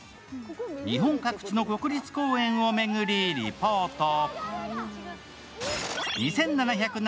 日本各地の国立公園を巡りリポート。